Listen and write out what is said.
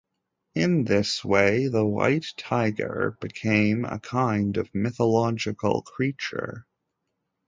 In this way, the white tiger became a kind of mythological creature.